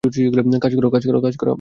কাজ কর, কাজ কর!